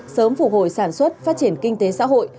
sớm phục hồi sản xuất phát triển kinh tế xã hội